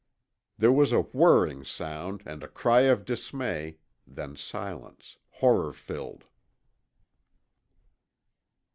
There was a whirring sound and a cry of dismay, then silence, horror filled.